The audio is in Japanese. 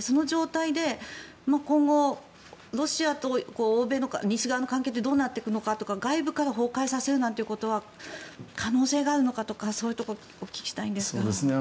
その状態で今後ロシアと西側の関係ってどうなっていくのかとか外部から崩壊させるなんてことは可能性があるのかとかそういうところをお聞きしたいんですが。